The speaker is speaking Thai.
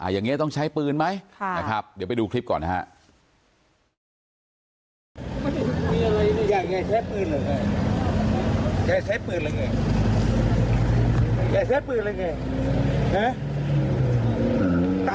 อย่างนี้ต้องใช้ปืนไหมนะครับเดี๋ยวไปดูคลิปก่อนนะฮะ